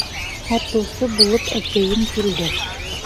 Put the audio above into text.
Һатыусы булып әсәйем килде.